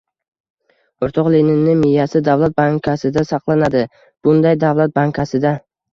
— O’rtoq Leninni miyasi... Davlat Bankasida saqlanadi, shunday, Davlat Bankasida.